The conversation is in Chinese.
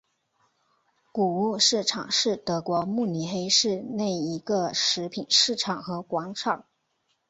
谷物市场是德国慕尼黑市内一个食品市场和广场。